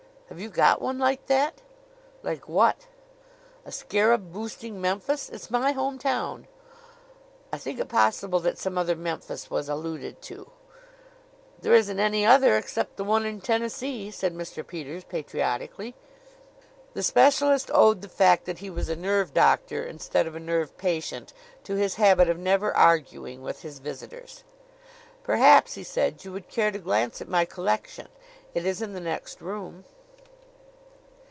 "Have you got one like that?" "Like what?" "A scarab boosting Memphis. It's my home town." "I think it possible that some other Memphis was alluded to." "There isn't any other except the one in Tennessee," said Mr. Peters patriotically. The specialist owed the fact that he was a nerve doctor instead of a nerve patient to his habit of never arguing with his visitors. "Perhaps," he said, "you would care to glance at my collection. It is in the next room."